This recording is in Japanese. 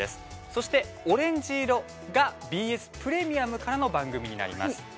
そしてオレンジ色がＢＳプレミアムからの番組になります。